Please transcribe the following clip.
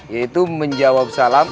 yaitu menjawab salam